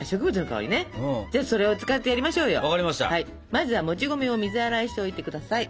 まずはもち米を水洗いしておいてください。